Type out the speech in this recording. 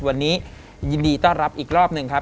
วันนี้ยินดีต้อนรับอีกรอบหนึ่งครับ